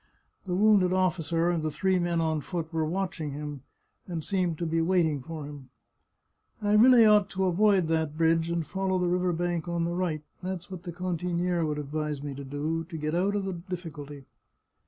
The wounded officer and the three men on foot were watching him, and seemed to be waiting for him. " I really ought to avoid that bridge and follow the river bank on the right; that's what the cantiniere would advise me to do, to get out of the difficulty.